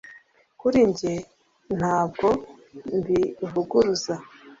Kuri njye ntabwo mbivuguruza